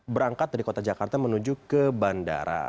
berangkat dari kota jakarta menuju ke bandara